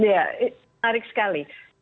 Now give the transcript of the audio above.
ya menarik sekali